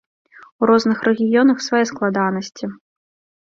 У розных рэгіёнах свае складанасці.